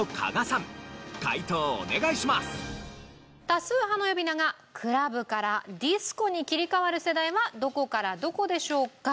多数派の呼び名がクラブからディスコに切り替わる世代はどこからどこでしょうか？